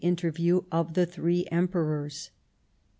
interview of the three Emperors.